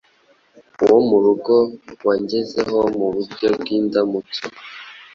Uwo murongo wangezeho mu buryo bw’indamutso.